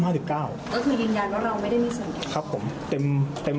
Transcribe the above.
ก็คือยืนยันว่าเราไม่ได้มีเสมอ